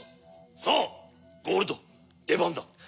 さあゴールドでばんだ。